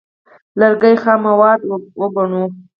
لرګي خام مواد وګڼو.